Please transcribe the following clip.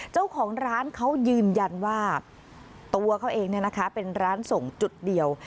เจ้าของร้านเขายืนยันว่าตัวเขาเองเป็นร้านส่งจุดเดียว